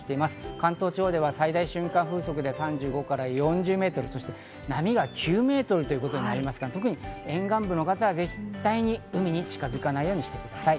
関東地方では最大瞬間風速で３５から４０メートル、波が９ｍということになりますから、特に沿岸部の方は絶対に海に近づかないようにしてください。